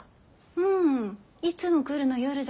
うんいつも来るの夜だけど。